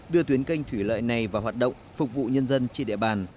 đưa tuyến canh thủy lợi này vào hoạt động phục vụ nhân dân trên địa bàn